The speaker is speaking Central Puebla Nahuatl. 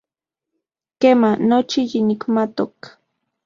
Kema, nochi yinikmatok.